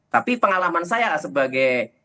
tapi pengalaman saya sebagai